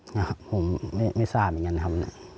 ครับผมไม่ทราบอย่างนั้นครับ